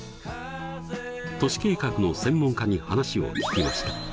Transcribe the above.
都市計画の専門家に話を聞きました。